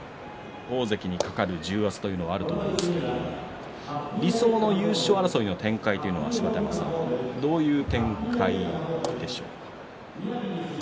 大関にかかる重圧というのはあると思いますけど理想の優勝争いの展開というのはどういうものでしょうか。